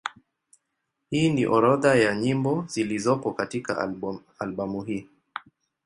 Hii ni orodha ya nyimbo zilizopo katika albamu hii.